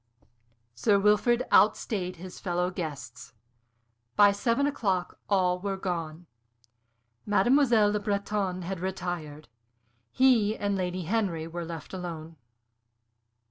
Sir Wilfrid outstayed his fellow guests. By seven o'clock all were gone. Mademoiselle Le Breton had retired. He and Lady Henry were left alone.